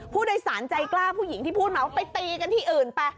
ผู้โดยสารใจกล้าผู้หญิงที่พูดมาว่าไปตีกันที่อื่นไป